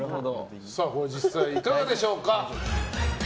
実際いかがでしょうか？